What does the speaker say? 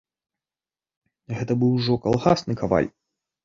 Гэта быў ужо калгасны каваль.